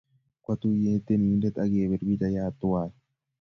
Kwatuyen tyenindet akepir pichaiyat twai